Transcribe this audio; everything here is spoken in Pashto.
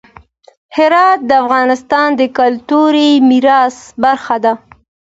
هرات د افغانستان د کلتوري میراث برخه ده.